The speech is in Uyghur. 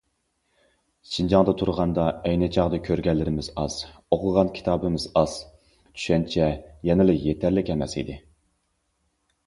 شىنجاڭدا تۇرغاندا ئەينى چاغدا كۆرگەنلىرىمىز ئاز، ئوقۇغان كىتابىمىز ئاز، چۈشەنچە يەنىلا يېتەرلىك ئەمەس ئىدى.